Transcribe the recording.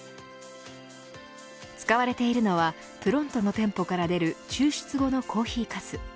使われているのはＰＲＯＮＴＯの店舗から出る抽出後のコーヒーかす。